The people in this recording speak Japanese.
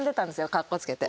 かっこつけて。